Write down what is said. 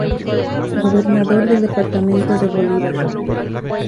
Gobernador del departamento de Bolívar.